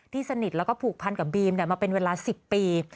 สนิทแล้วก็ผูกพันกับบีมมาเป็นเวลา๑๐ปี